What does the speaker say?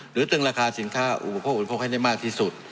ตึงราคาสินค้าอุปโภคให้ได้มากที่สุด